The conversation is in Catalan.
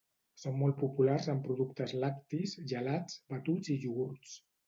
Són molt populars en productes lactis, gelats, batuts i iogurts.